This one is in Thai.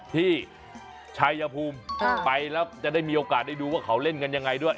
ที่ชายภูมิไปแล้วจะได้มีโอกาสได้ดูว่าเขาเล่นกันยังไงด้วย